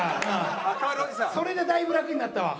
それでだいぶ楽になったわ。